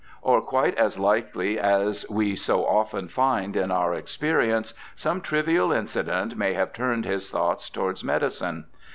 Or, quite as likely, as we so often find in our experience, some trivial incident may have turned his thoughts towards medicine.